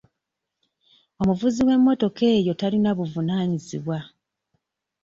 Omuvuzi w'emmotoka eyo talina buvunaanyizibwa.